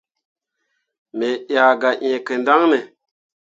Mo yah gah ẽe kǝndaŋne ?